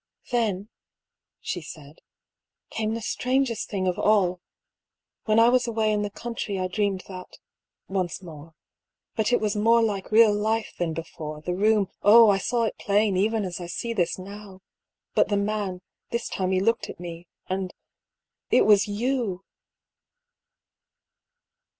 " Then," she said, " came the strangest thing of all. When I was away in the country I dreamed that — once more. But it was more like real life than before ; the room, oh 1 1 saw it plain, even as I see this now. But the man — this time he looked at me — and — it was you